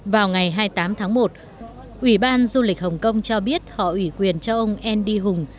vào ngày hai mươi tám tháng một ủy ban du lịch hồng kông cho biết họ ủy quyền cho ông nd hùng